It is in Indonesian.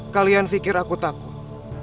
jangan fikir aku takut